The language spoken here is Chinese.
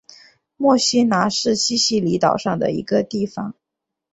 墨西拿是西西里岛上的一个地方。